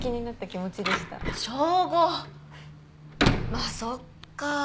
まあそっか。